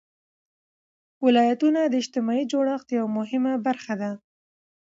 ولایتونه د اجتماعي جوړښت یوه مهمه برخه ده.